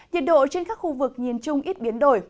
nhiệt độ trên các khu vực nhìn chung ít biến đổi